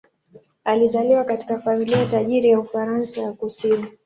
Alizaliwa katika familia tajiri ya Ufaransa ya kusini.